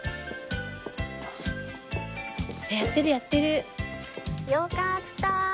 やってるやってる。よかった！